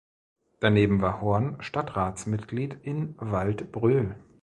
Daneben war Horn Stadtratsmitglied in Waldbröl.